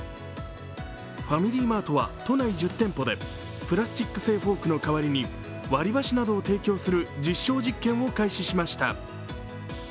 ファミリーマートは都内１０店舗でプラスチック製フォークのかわりに割り箸などを提供する実証実験を開始しました。